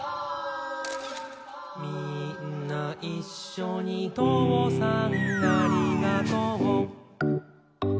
「みーんないっしょにとうさんありがとう」